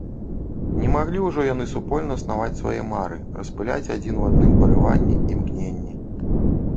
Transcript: Не маглі ўжо яны супольна снаваць свае мары, распаляць адзін у адным парыванні, імкненні.